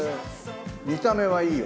見た目はいいよ。